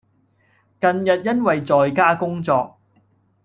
近日因為在家工作